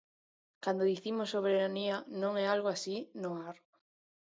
Cando dicimos soberanía non é algo así, no ar.